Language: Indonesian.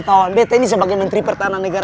hatanya mau menang